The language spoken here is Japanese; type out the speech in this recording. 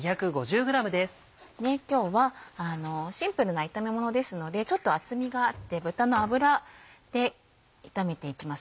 今日はシンプルな炒めものですのでちょっと厚みがあって豚の脂で炒めていきます。